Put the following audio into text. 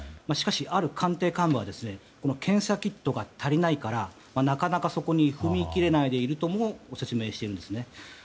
しかし、ある官邸幹部は検査キットが足りないからなかなかそこに踏み切れないでいるとも説明しているんです。